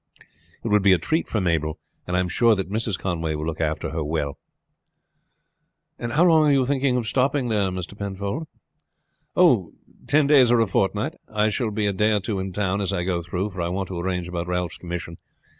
It would be a treat for Mabel, and I am sure that Mrs. Conway will look after her well." "How long are you thinking of stopping there, Mr. Penfold?" "Oh, ten days or a fortnight. I shall be a day or two in town as I go through, for I want to arrange about Ralph's commission.